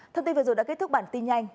thông tin vừa rồi đã kết thúc bản tin nhanh